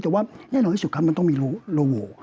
แต่ว่าแน่นอนที่สุดครับมันต้องมีรูโว